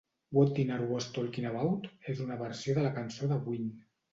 "What Deaner Was Talking About" és una versió de la cançó de Ween.